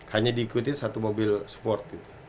hanya diikutin satu mobil sport gitu